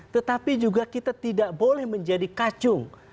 tetapi juga kita tidak boleh menjadi kacung